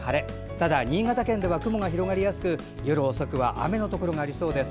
ただ、新潟県では雲が広がりやすく夜遅くは雨のところもありそうです。